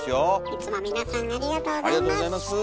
いつも皆さんありがとうございます。